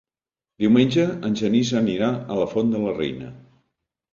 Diumenge en Genís anirà a la Font de la Reina.